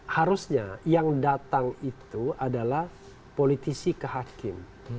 harusnya yang datang itu adalah politisi ke hakim